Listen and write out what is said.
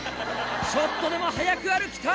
ちょっとでも速く歩きたい！